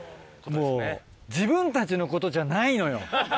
もう自分たちのことじゃないのよ。